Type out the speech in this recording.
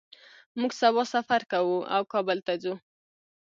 موږ سبا سفر کوو او کابل ته ځو